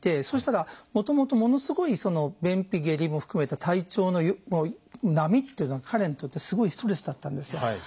そうしたらもともとものすごい便秘下痢も含めた体調の波というのは彼にとってすごいストレスだったんですよ。